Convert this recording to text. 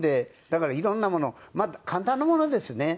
だから色んなものまあ簡単なものですね。